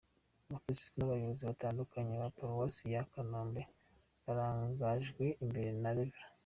Abakirisitu n’abayobozi batandukanye ba Paruwase ya Kanombe barangajwe imbere na Rev.